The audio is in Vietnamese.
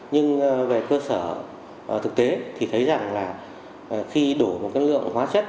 nhưng về cơ sở thực tế thì thấy rằng là khi đổ một cái lượng hóa chất